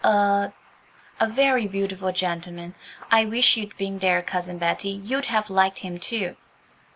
"A —?" "A very beautiful gentleman. I wish you'd been there, Cousin Betty. You'd have liked him too."